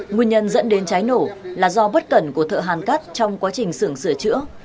nguyên nhân dẫn đến cháy nổ là do bất cẩn của thợ hàn cắt trong quá trình sưởng sửa chữa